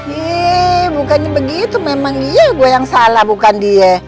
yeay bukannya begitu memang iya gue yang salah bukan dia